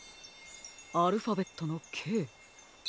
アルファベットの「Ｋ」。